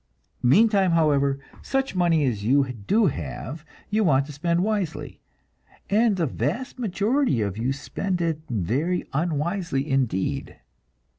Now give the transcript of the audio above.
Meantime, however, such money as you do have, you want to spend wisely, and the vast majority of you spend it very unwisely indeed.